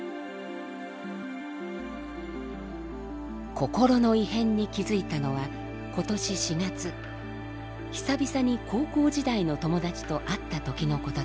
心の異変に気付いたのは今年４月久々に高校時代の友達と会った時のことでした。